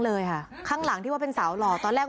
เลยค่ะข้างหลังที่ว่าเป็นสาวหล่อตอนแรก